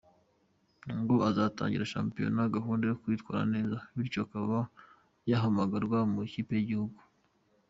Ngo azatangirana shampiyona gahunda yo kwitwara neza bityo akaba yahamagarwa mu ikipe y’igihugu.